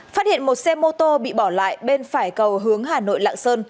phát hiện một xe mô tô bị bỏ lại bên phải cầu hướng hà nội lạng sơn